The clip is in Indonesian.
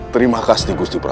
terima kasih nek gusti prabu